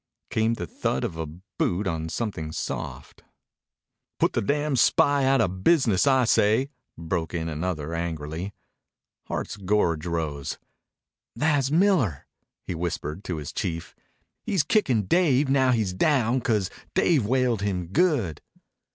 Came the thud of a boot on something soft. "Put the damn spy outa business, I say," broke in another angrily. Hart's gorge rose. "Tha's Miller," he whispered to his chief. "He's kickin' Dave now he's down 'cause Dave whaled him good."